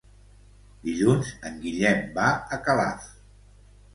Dilluns en Guillem va a Calaf.